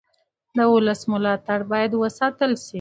د ولس ملاتړ باید وساتل شي